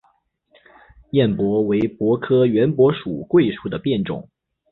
偃柏为柏科圆柏属桧树的变种。